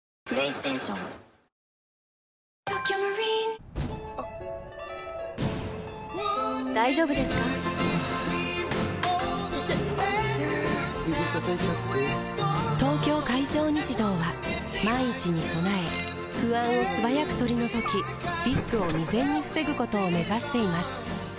指たたいちゃって・・・「東京海上日動」は万一に備え不安を素早く取り除きリスクを未然に防ぐことを目指しています